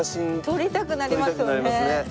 撮りたくなりますね。